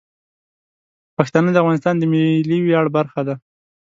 پښتانه د افغانستان د ملي ویاړ برخه دي.